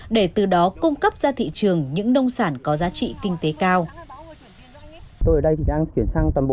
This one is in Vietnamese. để từ đó cung cấp ra thị trường những nông sản có giá trị kinh tế cao